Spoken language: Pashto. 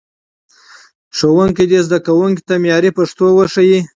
ښوونکي دې زدهکوونکو ته معیاري پښتو وښيي.